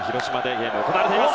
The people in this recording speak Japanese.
ゲームが行われています。